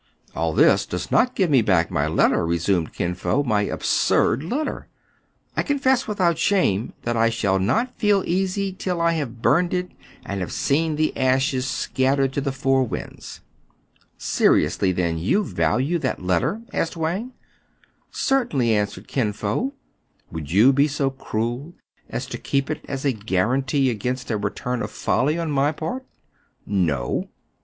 "All this does not give me back my letter,*' re sumed Kin Fo, —" my absurd letter. I confess without shame that I shall not feel easy till I have burned it, and have seen the ashes scattered to the four winds." " Seriously, then, you value that letter t " asked Wang. "Certainly," answered Kin Fo. "Would' you be so cruel as to keep it as a guaranty against a return of folly on my part ?" 270 TRIBULATIONS OF A CHINA M AK. " No."